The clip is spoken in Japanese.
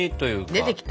出てきた？